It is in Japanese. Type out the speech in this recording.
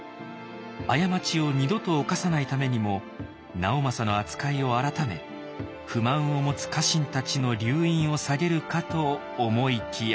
過ちを二度と犯さないためにも直政の扱いを改め不満を持つ家臣たちの留飲を下げるかと思いきや。